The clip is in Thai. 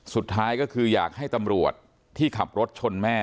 สุดท้ายก็คืออยากให้ตำรวจที่ขับรถชนแม่